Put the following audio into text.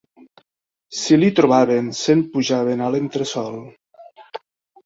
Si li trobaven, se'n pujaven a l'entresol